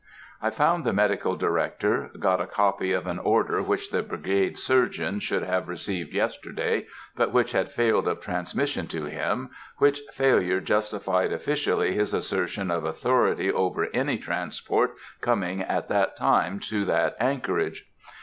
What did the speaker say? I found the Medical Director, got a copy of an order which the Brigade Surgeon should have received yesterday, but which had failed of transmission to him, which failure justified officially his assertion of authority over any transport coming at that time to that anchorage.